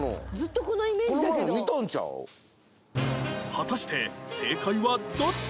果たして正解はどっち？